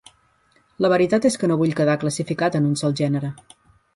La veritat és que no vull quedar classificat en un sol gènere.